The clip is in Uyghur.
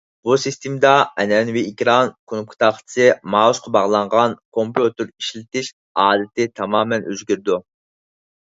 بۇ سىستېمىدا ئەنئەنىۋى ئېكران، كونۇپكا تاختىسى، مائۇسقا باغلانغان كومپيۇتېر ئىشلىتىش ئادىتى تامامەن ئۆزگىرىدۇ.